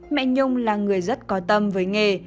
mẹ nhung là người rất có tâm với nghề